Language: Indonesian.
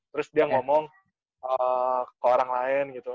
terus dia ngomong ke orang lain gitu